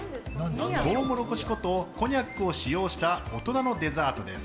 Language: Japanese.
トウモロコシ粉とコニャックを使用した大人のデザートです。